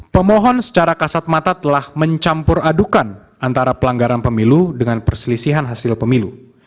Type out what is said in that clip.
pemohon secara kasat mata telah mencampur adukan antara pelanggaran pemilu dengan perselisihan hasil pemilu